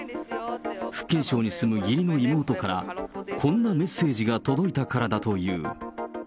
福建省に住む義理の妹から、こんなメッセージが届いたからだという。